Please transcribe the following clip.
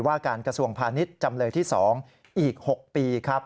ว่าการกระทรวงพาณิชย์จำเลยที่๒อีก๖ปีครับ